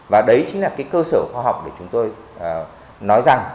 và đấy chính là cái cơ sở khoa học để chúng tôi nói rằng